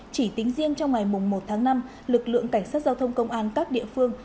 chỉ tính riêng trong ngày một tháng năm lực lượng cảnh sát giao thông công an các địa phương